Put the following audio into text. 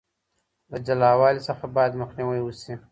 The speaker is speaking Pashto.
له جلاوالي څخه بايد مخنيوي وشي.